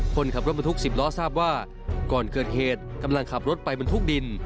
คนขับรถบรรทุก๑๐ล้อทราบว่าก่อนเกิดเหตุกำลังขับรถไปบรรทุกดิน